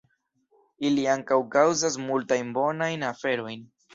Ili ankaŭ kaŭzas multajn bonajn aferojn.